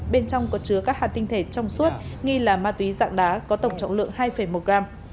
bên trong có chứa các hạt tinh thể trong suốt nghi là ma túy dạng đá có tổng trọng lượng hai một gram